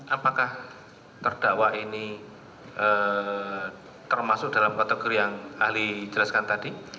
apakah terdakwa ini termasuk dalam kategori yang ahli jelaskan tadi